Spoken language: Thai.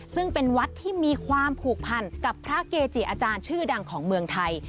ซึ่งเป็นวัดที่มีความผูกพันกับพระเกจิอาจารย์ชื่อดังของเมืองไทย